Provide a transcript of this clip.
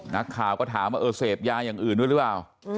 นักข่าวก็ถามว่าเออเสพยาอย่างอื่นด้วยหรือเปล่า